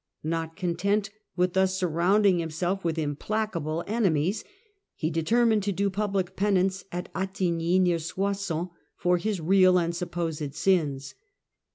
Not content with thus surrounding himself with implacable enemies, he determined to do public penance at Attigny, near Sois sons, for his real and supposed sins.